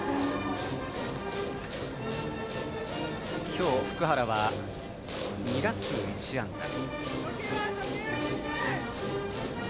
今日、福原は２打数１安打。